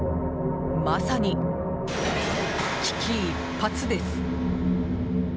まさに危機一髪です。